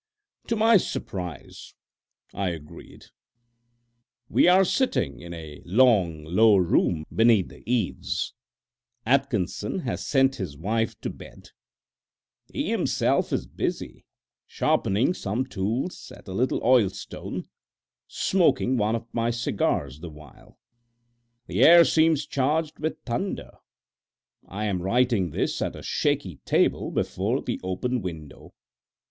To my surprise I agreed. We are sitting in a long, low room beneath the eaves. Atkinson has sent his wife to bed. He himself is busy sharpening some tools at a little oilstone, smoking one of my cigars the while. The air seems charged with thunder. I am writing this at a shaky table before the open window.